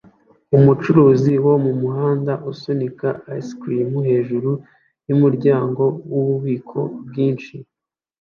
Umucuruzi wo mumuhanda asunika ice cream hejuru yumuryango wububiko bwinshi